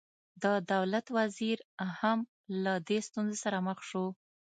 د دولت وزیر هم له دې ستونزې سره مخ شو.